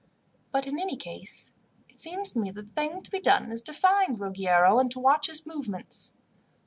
But in any case, it seems to me that the thing to be done is to find Ruggiero, and to watch his movements."